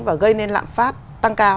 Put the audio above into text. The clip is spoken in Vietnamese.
và gây nên lạm phát tăng cao